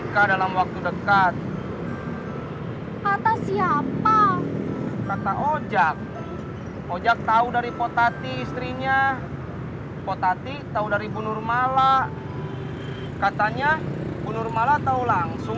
karena prinsip aku itu tak ada uang